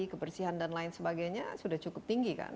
kebersihan dan lain sebagainya sudah cukup tinggi kan